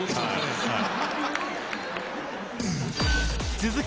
続く